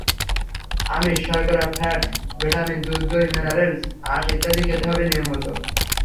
আমিষ, শর্করা, fat, vitamin, দুধ, দই, মিনারেলস, আঁশ ইত্যাদি খেতে হবে নিয়মমতো।